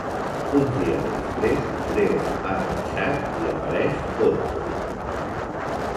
Uns dies després, Leo ha marxat i apareix Otto.